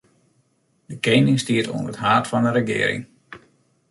De kening stiet oan it haad fan 'e regearing.